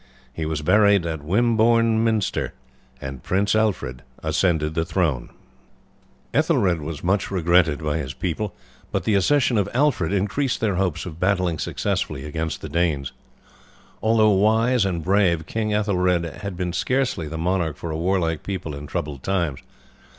He was buried at Wimbourne Minster, and Prince Alfred ascended the throne. Ethelred was much regretted by his people, but the accession of Alfred increased their hopes of battling successfully against the Danes. Although wise and brave, King Ethelred had been scarcely the monarch for a warlike people in troubled times.